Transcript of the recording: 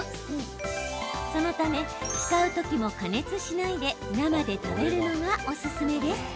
そのため使う時も加熱しないで生で食べるのがおすすめです。